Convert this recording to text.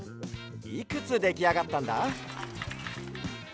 いくつできあがったんだ？